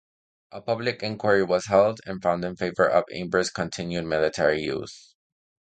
A public inquiry was held, and found in favour of Imber's continued military use.